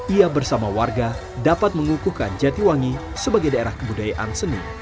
ia bersama warga dapat mengukuhkan jatiwangi sebagai daerah kebudayaan seni